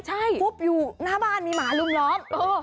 ใช่ปุ๊บอยู่หน้าบ้านมีหมาลุมล้อม